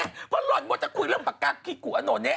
นี่ไงเพราะหล่อนหมดจะคุยเรื่องปากกาฮิกุอะโนเนะ